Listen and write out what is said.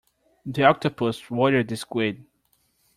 The octopus worried the squid.